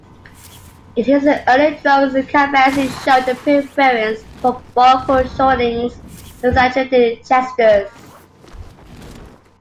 In his early drawings Cambiasi showed a preference for bold foreshortenings and exaggerated gestures.